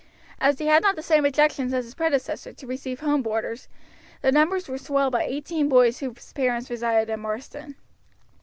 As he had not the same objection as his predecessor to receive home boarders, the numbers were swelled by eighteen boys whose parents resided in Marsden.